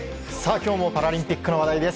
今日もパラリンピックの話題です。